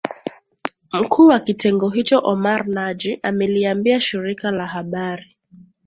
Mkuu wa kitengo hicho Omar Naji ameliambia shirika la habari